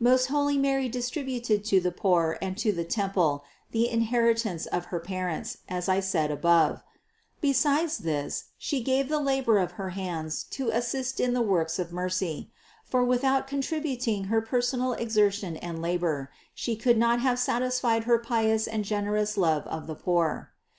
Most holy Mary distributed to the poor and to the temple the inheritance of her parents, as I said above (761) ; besides this She gave the labor of her hands to assist in the works of mercy; for without contributing her personal exertion and labor, She could not have satisfied her pious and generous love of the poor.